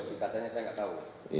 saya enggak tahu